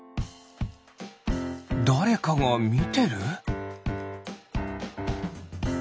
だれかがみてる？